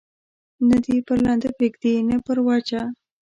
نه دي پر لنده پرېږدي، نه پر وچه.